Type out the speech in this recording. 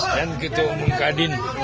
dan ketua umum kadin